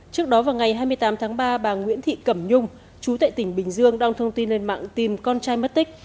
trước đó vào ngày hai mươi tám tháng ba bà nguyễn thị cẩm nhung chú tại tỉnh bình dương đong thông tin lên mạng tìm con trai mất tích